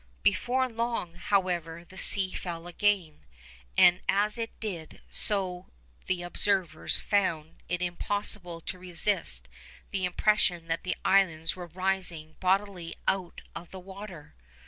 Before long, however, the sea fell again, and as it did so the observers 'found it impossible to resist the impression that the islands were rising bodily out of the water.